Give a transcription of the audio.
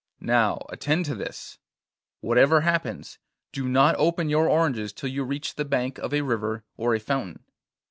'Now, attend to this: whatever happens, do not open your oranges till you reach the bank of a river, or a fountain.